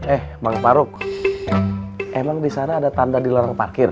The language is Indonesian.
eh bang farouk emang disana ada tanda di lorong parkir